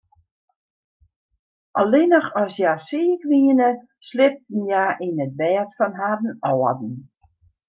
Allinnich as hja siik wiene, sliepten hja yn it bêd fan harren âlden.